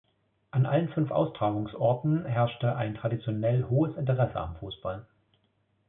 An allen fünf Austragungsorten herrschte ein traditionell hohes Interesse am Fußball.